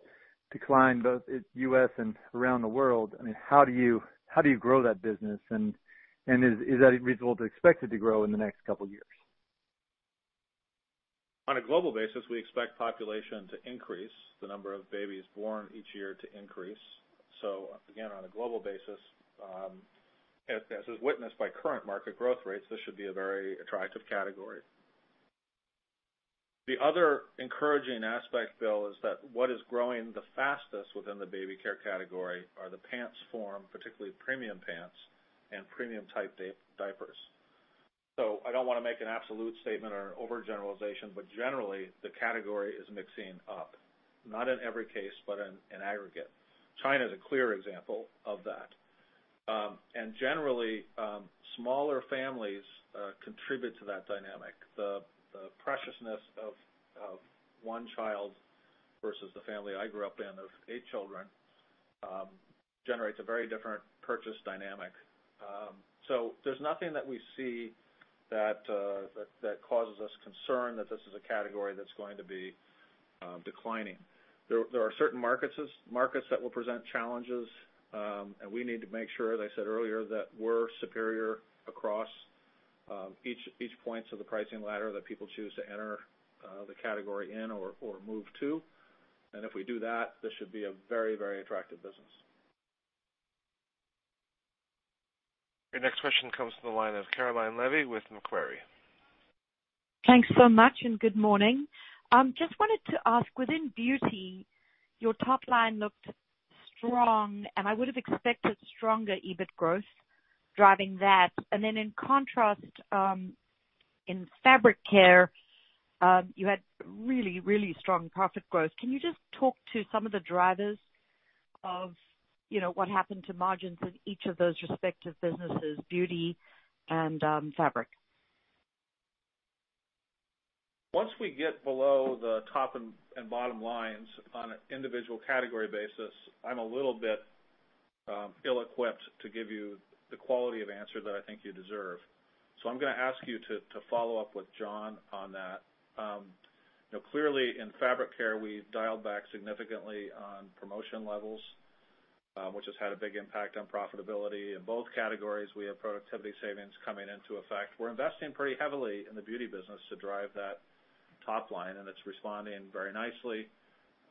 decline, both in U.S. and around the world, how do you grow that business? Is that reasonable to expect it to grow in the next couple of years? On a global basis, we expect population to increase, the number of babies born each year to increase. Again, on a global basis, as is witnessed by current market growth rates, this should be a very attractive category. The other encouraging aspect, Bill, is that what is growing the fastest within the baby care category are the pants form, particularly premium pants and premium-type diapers. I don't want to make an absolute statement or an overgeneralization, but generally, the category is mixing up, not in every case, but in aggregate. China is a clear example of that. Generally, smaller families contribute to that dynamic. The preciousness of one child versus the family I grew up in of eight children, generates a very different purchase dynamic. There's nothing that we see that causes us concern that this is a category that's going to be declining. There are certain markets that will present challenges, we need to make sure, as I said earlier, that we're superior across each points of the pricing ladder that people choose to enter the category in or move to. If we do that, this should be a very attractive business. Your next question comes from the line of Caroline Levy with Macquarie. Thanks so much, good morning. Just wanted to ask, within Beauty, your top line looked strong, I would have expected stronger EBIT growth driving that. Then in contrast, in Fabric Care, you had really strong profit growth. Can you just talk to some of the drivers of what happened to margins in each of those respective businesses, Beauty and Fabric? Once we get below the top and bottom lines on an individual category basis, I'm a little bit ill-equipped to give you the quality of answer that I think you deserve. I'm going to ask you to follow up with Jon on that. Clearly, in Fabric Care, we've dialed back significantly on promotion levels, which has had a big impact on profitability. In both categories, we have productivity savings coming into effect. We're investing pretty heavily in the Beauty business to drive that top line, it's responding very nicely.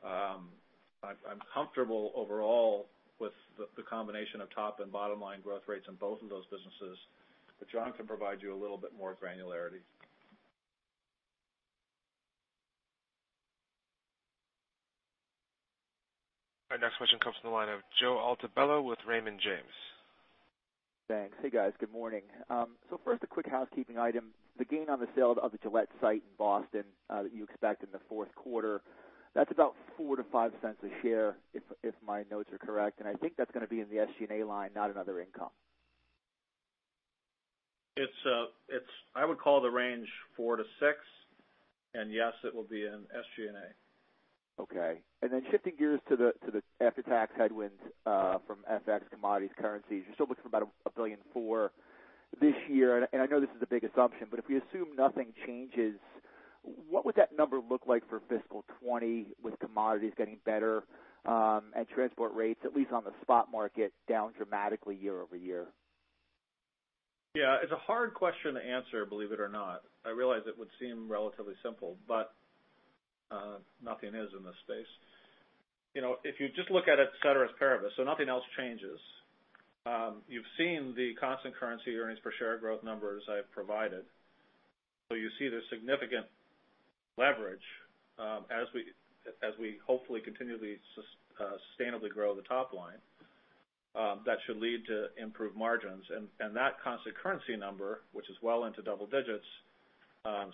I'm comfortable overall with the combination of top and bottom line growth rates in both of those businesses, Jon can provide you a little bit more granularity. Our next question comes from the line of Joseph Altobello with Raymond James. Thanks. Hey, guys. Good morning. First, a quick housekeeping item. The gain on the sale of the Gillette site in Boston that you expect in the fourth quarter, that's about $0.04-$0.05 a share if my notes are correct, I think that's going to be in the SG&A line, not in other income. I would call the range $0.04-$0.06, yes, it will be in SG&A. Okay. Then shifting gears to the after-tax headwinds from FX, commodities, currencies. You're still looking for about $1.4 billion this year, I know this is a big assumption, but if we assume nothing changes, what would that number look like for fiscal 2020 with commodities getting better and transport rates, at least on the spot market, down dramatically year-over-year? Yeah. It's a hard question to answer, believe it or not. I realize it would seem relatively simple, but nothing is in this space. If you just look at it ceteris paribus, nothing else changes. You've seen the constant currency earnings per share growth numbers I've provided. You see the significant leverage as we hopefully continually sustainably grow the top line. That should lead to improved margins. That constant currency number, which is well into double digits,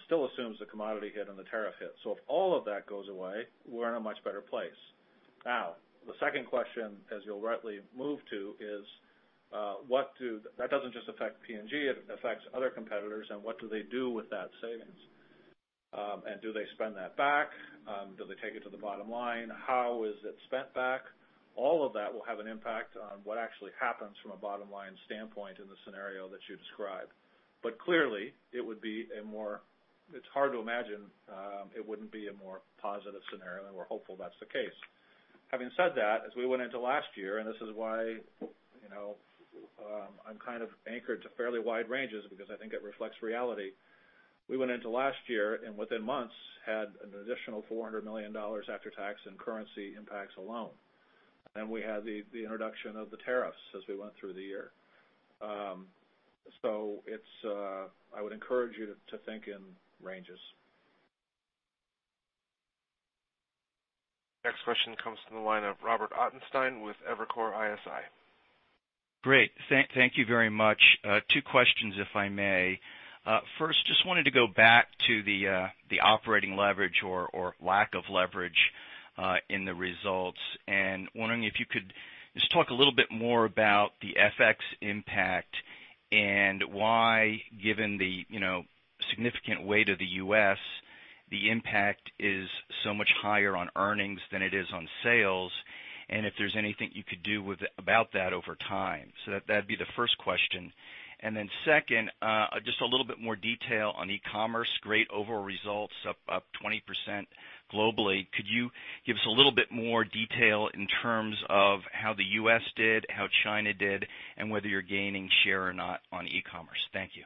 still assumes the commodity hit and the tariff hit. If all of that goes away, we're in a much better place. Now, the second question, as you'll rightly move to, is that doesn't just affect P&G, it affects other competitors, what do they do with that savings? Do they spend that back? Do they take it to the bottom line? How is it spent back? All of that will have an impact on what actually happens from a bottom-line standpoint in the scenario that you described. Clearly, it's hard to imagine it wouldn't be a more positive scenario, and we're hopeful that's the case. Having said that, as we went into last year, this is why I'm anchored to fairly wide ranges, because I think it reflects reality. We went into last year, within months, had an additional $400 million after tax and currency impacts alone. We had the introduction of the tariffs as we went through the year. I would encourage you to think in ranges. Next question comes from the line of Robert Ottenstein with Evercore ISI. Great. Thank you very much. Two questions, if I may. First, just wanted to go back to the operating leverage or lack of leverage in the results and wondering if you could just talk a little bit more about the FX impact and why, given the significant weight of the U.S., the impact is so much higher on earnings than it is on sales, if there's anything you could do about that over time. That'd be the first question. Second, just a little bit more detail on e-commerce. Great overall results, up 20% globally. Could you give us a little bit more detail in terms of how the U.S. did, how China did, whether you're gaining share or not on e-commerce? Thank you.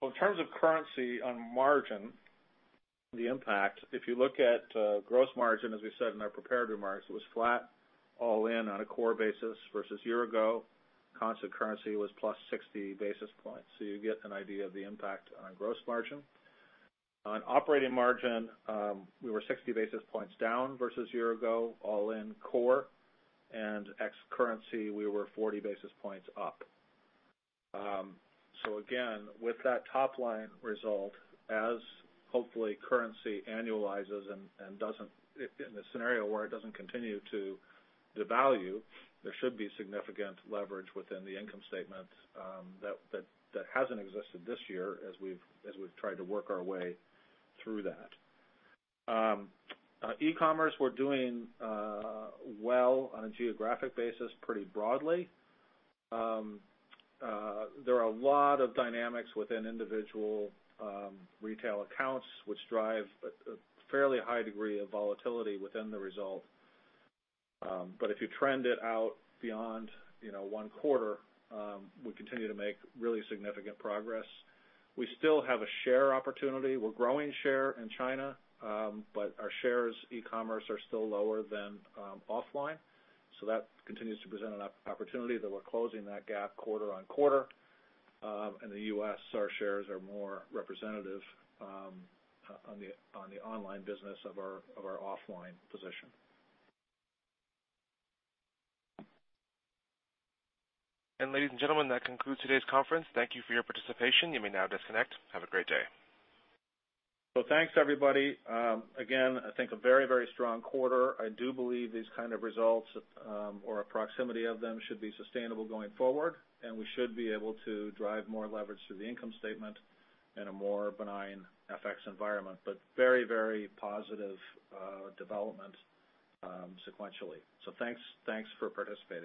Well, in terms of currency on margin, the impact, if you look at gross margin, as we said in our prepared remarks, it was flat all in on a core basis versus year-ago. Constant currency was plus 60 basis points. You get an idea of the impact on our gross margin. On operating margin, we were 60 basis points down versus year-ago, all in core, and ex currency, we were 40 basis points up. Again, with that top-line result, as hopefully currency annualizes and in a scenario where it doesn't continue to devalue, there should be significant leverage within the income statement that hasn't existed this year as we've tried to work our way through that. E-commerce, we're doing well on a geographic basis pretty broadly. There are a lot of dynamics within individual retail accounts, which drive a fairly high degree of volatility within the result. If you trend it out beyond one quarter, we continue to make really significant progress. We still have a share opportunity. We're growing share in China, but our shares e-commerce are still lower than offline. That continues to present an opportunity, though we're closing that gap quarter-on-quarter. In the U.S., our shares are more representative on the online business of our offline position. Ladies and gentlemen, that concludes today's conference. Thank you for your participation. You may now disconnect. Have a great day. Thanks, everybody. Again, I think a very strong quarter. I do believe these kind of results, or a proximity of them, should be sustainable going forward, and we should be able to drive more leverage through the income statement in a more benign FX environment, very positive development sequentially. Thanks for participating.